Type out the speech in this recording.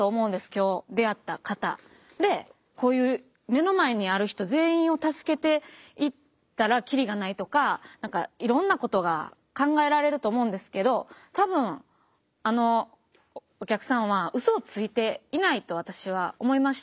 今日出会った方でこういう目の前にある人全員を助けていったらキリがないとかいろんなことが考えられると思うんですけど多分あのお客さんはウソをついていないと私は思いました。